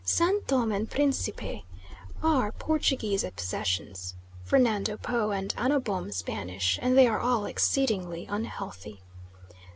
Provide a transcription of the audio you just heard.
San Thome and Principe are Portuguese possessions, Fernando Po and Anno Bom Spanish, and they are all exceedingly unhealthy.